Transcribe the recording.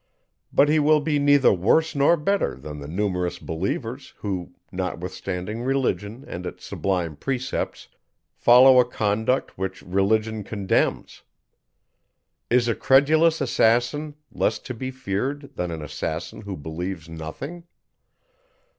But he will be neither worse nor better, than the numerous believers, who, notwithstanding Religion and its sublime precepts, follow a conduct which Religion condemns. Is a credulous assassin less to be feared, than an assassin who believes nothing?